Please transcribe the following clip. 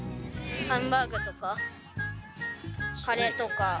ハンバーグとか、カレーとか。